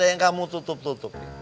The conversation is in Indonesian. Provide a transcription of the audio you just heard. yang kamu tutup tutup